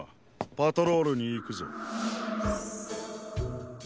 パトロールにいくぞ。